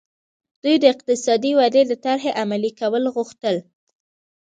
دوی د اقتصادي ودې د طرحې عملي کول غوښتل.